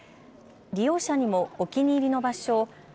利用者にもお気に入りの場所を＃